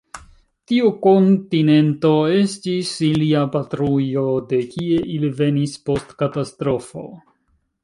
Tiu kontinento estis ilia patrujo, de kie ili venis post katastrofo.